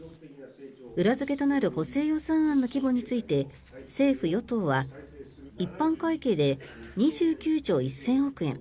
裏付けとなる補正予算案の規模について政府・与党は一般会計で２９兆１０００億円